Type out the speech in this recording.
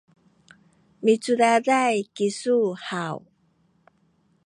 micudaday kisu haw?